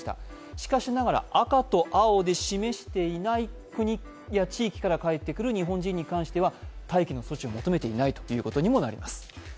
しかしながら赤と青で示していない国や地域から帰ってくる日本人に関しては待機の措置を求めていないということにもなります。